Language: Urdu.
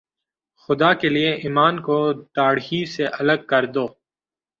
خدا کے لئے ایمان کو داڑھی سے الگ کر دو